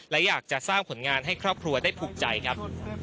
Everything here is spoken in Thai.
และอยากจะสร้างผลงานให้ครอบครัวได้ผูกใจครับ